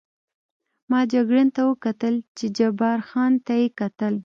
ما جګړن ته وکتل، چې جبار خان ته یې کتل.